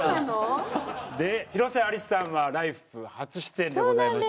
で広瀬アリスさんは「ＬＩＦＥ！」初出演でございますが。